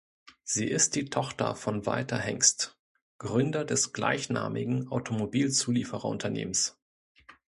Sie ist die Tochter von Walter Hengst, Gründer des gleichnamigen Automobilzulieferer-Unternehmens.